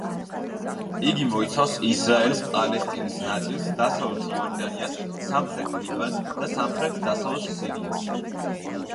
იგი მოიცავს ისრაელს, პალესტინის ნაწილს, დასავლეთ იორდანიას, სამხრეთ ლიბანს და სამხრეთ-დასავლეთ სირიას.